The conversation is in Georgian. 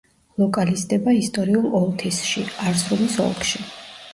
ლოკალიზდება ისტორიულ ოლთისში, არზრუმის ოლქში.